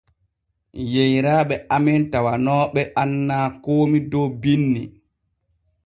Yeyraaɓe amen tawanooɓe annaa koomi dow binni.